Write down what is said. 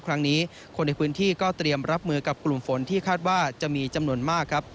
ครั้งนี้คนในพื้นที่ก็เตรียมรับมือกับกลุ่มฝนที่คาดว่าจะมีจำนวนมากครับ